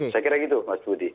saya kira gitu mas budi